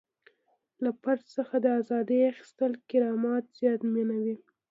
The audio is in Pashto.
له فرد څخه د ازادۍ اخیستل کرامت زیانمنوي.